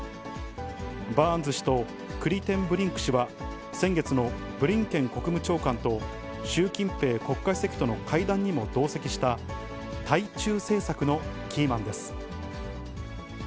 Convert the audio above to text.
バーンズ氏とクリテンブリンク氏は、先月の、ブリンケン国務長官と習近平国家主席との会談にも同席した、対中政策のキーマンです。